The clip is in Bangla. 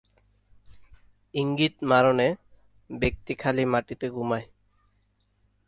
ইঙ্গিত-মারণে ব্যক্তি খালি মাটিতে ঘুমায়।